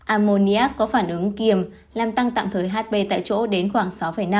ammoniac có phản ứng kiềm làm tăng tạm thời hp tại chỗ đến khoảng sáu năm